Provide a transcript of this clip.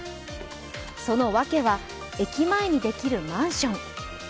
そのワケは駅前にできるマンション。